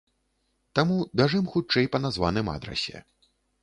Таму бяжым хутчэй па названым адрасе.